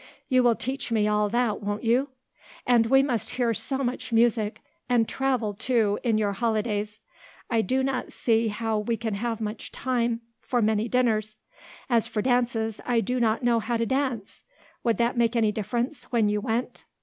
You will teach me all that, won't you? And we must hear so much music; and travel, too, in your holidays; I do not see how we can have much time for many dinners. As for dances, I do not know how to dance; would that make any difference, when you went?